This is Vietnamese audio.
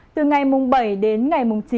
từ ngày bảy đến ngày tám